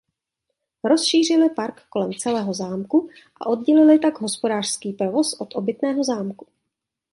Rozšířili park kolem celého zámku a oddělili tak hospodářský provoz od obytného zámku.